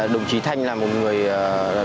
đồng chí thanh là một người đội chỉ huy